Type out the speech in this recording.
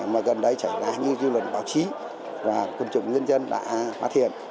mà gần đây trải ra như dư luận báo chí và côn trùng dân dân đã phát hiện